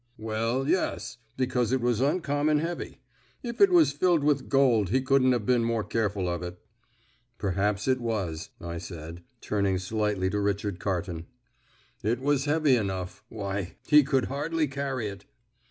"Well, yes, because it was uncommon heavy. If it was filled with gold he couldn't have been more careful of it." "Perhaps it was," I said, turning slightly to Richard Carton. "It was heavy enough. Why, he could hardly carry it."